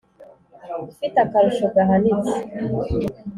ufite akarusho gahanitse,